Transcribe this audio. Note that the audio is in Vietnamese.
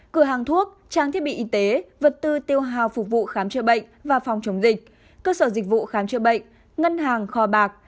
cửa hàng thuốc trang thiết bị y tế vật tư tiêu hào phục vụ khám chữa bệnh và phòng chống dịch cơ sở dịch vụ khám chữa bệnh ngân hàng kho bạc